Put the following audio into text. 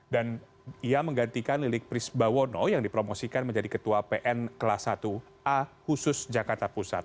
dan ia menggantikan lilik pris bawono yang dipromosikan menjadi ketua pn kelas satu a khusus jakarta pusat